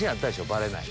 バレない。